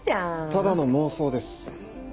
ただの妄想です。